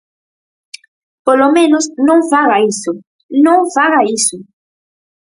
Polo menos non faga iso, non faga iso.